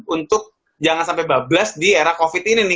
untuk jangan sampai bablas di era covid ini nih